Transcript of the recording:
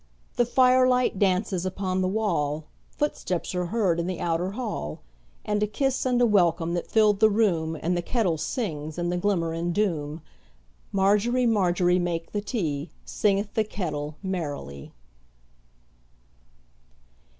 The firelight dances upon the wall, Footsteps are heard in the outer hall, And a kiss and a welcome that fill the room, And the kettle sings in the glimmer and gloom. Margery, Margery, make the tea, Singeth the kettle merrily.